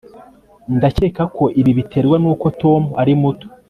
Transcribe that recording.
ndakeka ko ibi biterwa nuko tom ari muto